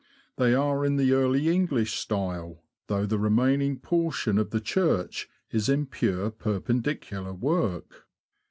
They are in the Early English style, though the remaining portion of the church is in pure Perpendicular work.